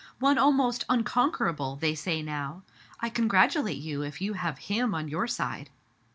One almost unconquerable, they say now. I congratulate you if you have him on your side.